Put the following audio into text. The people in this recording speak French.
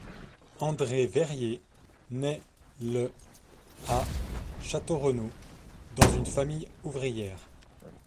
André Verrier nait le à Château-Renault dans une famille ouvrière.